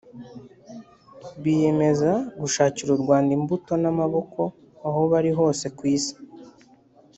biyemeza gushakira u Rwanda imbuto n’amaboko aho bari hose ku isi